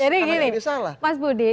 jadi gini mas budi